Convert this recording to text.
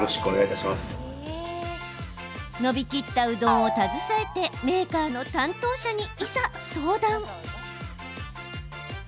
伸びきったうどんを携えてメーカーの担当者に、いざ相談。